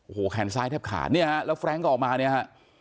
โอ้โหแขนซ้ายแทบขาดเนี่ยฮะแล้วแร้งก็ออกมาเนี่ยฮะ